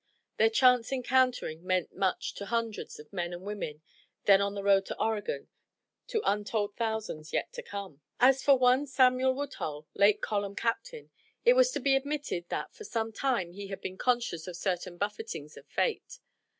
Their chance encountering meant much to hundreds of men and women then on the road to Oregon; to untold thousands yet to come. As for one Samuel Woodhull, late column captain, it was to be admitted that for some time he had been conscious of certain buffetings of fate.